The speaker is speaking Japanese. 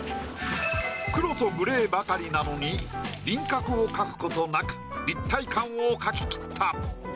黒とグレーばかりなのに輪郭を描くことなく立体感を描ききった。